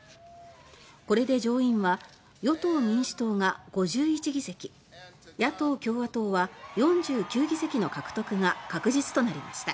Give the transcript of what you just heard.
これで上院は与党・民主党が５１議席野党・共和党は４９議席の獲得が確実となりました。